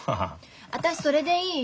私それでいい。